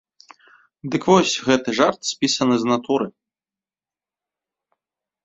Дык вось, гэты жарт спісаны з натуры!